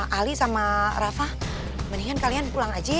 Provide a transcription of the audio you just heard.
eh ali sama rafa mendingan kalian pulang aja ya